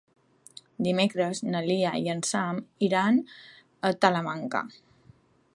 Dimecres na Lia i en Sam iran a Talamanca.